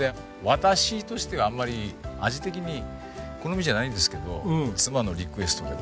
私としてはあんまり味的に好みじゃないんですけど妻のリクエストで。